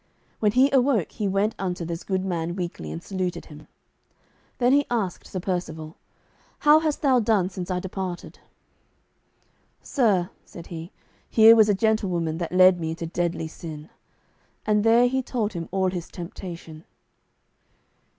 When he awoke he went unto this good man weakly, and saluted him. Then he asked Sir Percivale, "How hast thou done since I departed?" "Sir," said he, "here was a gentlewoman that led me into deadly sin," and there he told him all his temptation.